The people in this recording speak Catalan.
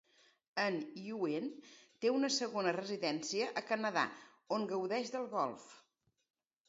En Yuen té una segona residència a Canadà on gaudeix del golf.